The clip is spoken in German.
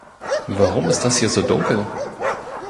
Warum ist das hier so dunkel?